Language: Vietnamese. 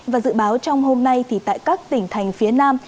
và dự báo trong hôm nay thì tại các tỉnh thành phía nam